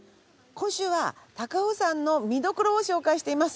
今週は高尾山の見どころを紹介しています。